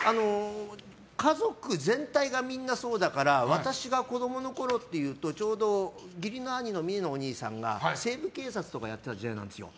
家族全体がみんなそうだから私が子供のころっていうとちょうど義理の兄のお兄さんが「西部警察」とかやってた時代なんですよ。